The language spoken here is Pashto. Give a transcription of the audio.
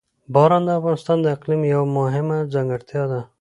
باران د افغانستان د اقلیم یوه مهمه ځانګړتیا ده.